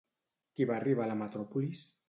Qui va arribar a la metròpolis?